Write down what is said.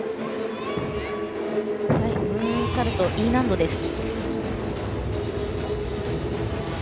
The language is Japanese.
ムーンサルト、Ｅ難度です。